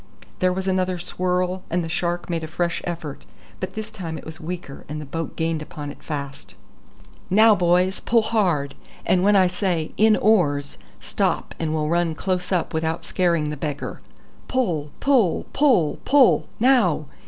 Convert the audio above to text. There was another swirl and the shark made a fresh effort, but this time it was weaker and the boat gained upon it fast. "Now, boys, pull hard, and when I say `In oars,' stop, and we'll run close up without scaring the beggar. Pull pull pull pull! Now!